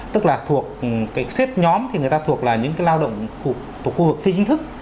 tức là thuộc cái xếp nhóm thì người ta thuộc là những cái lao động của khu vực phi chính thức